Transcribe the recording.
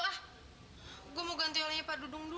kalo tumpa ke atas gue juga bingung lo